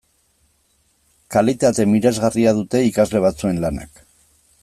Kalitate miresgarria dute ikasle batzuen lanak.